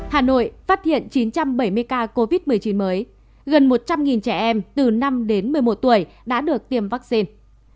hà nội phát hiện chín trăm bảy mươi ca covid một mươi chín mới gần một trăm linh trẻ em từ năm đến một mươi một tuổi đã được tiêm vaccine